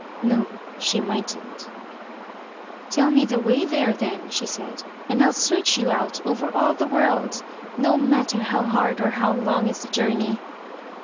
No she mightn't. "Tell me the way there then," she said, "and I'll search you out over all the world, no matter how hard or how long is the journey."